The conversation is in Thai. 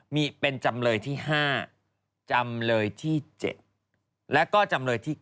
มีเป็นจำเลยที่๕จำเลยที่๗และก็จำเลยที่๙